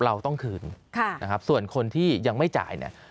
เราต้องคืนส่วนคนที่ยังไม่จ่าย